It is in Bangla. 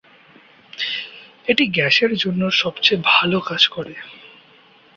এটি গ্যাসের জন্য সবচেয়ে ভাল কাজ করে।